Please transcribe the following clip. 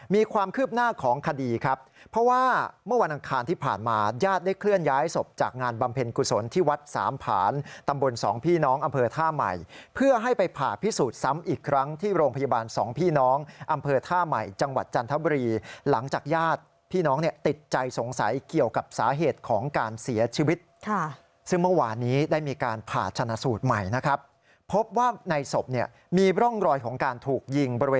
มีความคืบหน้าของคดีครับเพราะว่าเมื่อวันอันคารที่ผ่านมายาดได้เคลื่อนย้ายศพจากงานบำเพ็ญกุศลที่วัดสามผารตำบลสองพี่น้องอำเภอท่าใหม่เพื่อให้ไปผ่าพิสูจน์ซ้ำอีกครั้งที่โรงพยาบาลสองพี่น้องอำเภอท่าใหม่จังหวัดจันทบรีหลังจากยาดพี่น้องเนี่ยติดใจสงสัยเกี่ยวกับสาเหตุของการเสียชี